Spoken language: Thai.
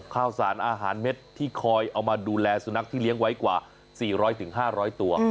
ข้าวสารอาหารเม็ดที่คอยเอามาดูแลสุนัขที่เลี้ยงไว้กว่า๔๐๐๕๐๐ตัว